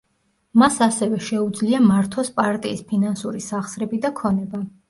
მას ასევე შეუძლია მართოს პარტიის ფინანსური სახსრები და ქონება.